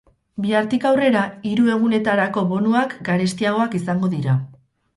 Bihartik aurrera, hiru egunetarako bonuak garestiagoak izango dira.